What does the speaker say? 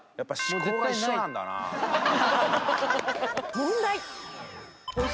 問題。